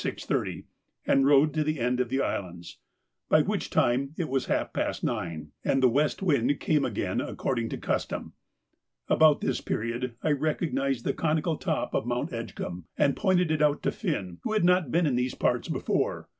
30 and rowed to the end of the islands, by which time it was half past nine, and the west wind came again according to custom. About this period I recognised the conical top of Mount Edgcumbe, and pointed it out to Finn, who had not been in these parts before.